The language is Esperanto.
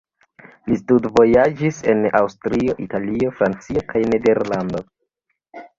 Li studvojaĝis en Aŭstrio, Italio, Francio kaj Nederlando.